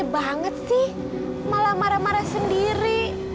gak bisa banget sih malah marah marah sendiri